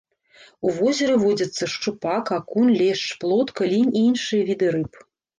У возеры водзяцца шчупак, акунь, лешч, плотка, лінь і іншыя віды рыб.